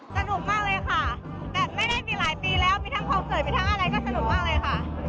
สนุกมากเลยค่ะแต่ไม่ได้มีหลายปีแล้วมีทั้งคอนเสิร์ตมีทั้งอะไรก็สนุกมากเลยค่ะ